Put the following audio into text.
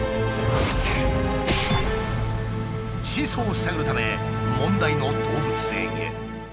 真相を探るため問題の動物園へ。